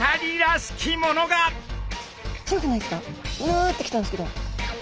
ヌッて来たんですけど。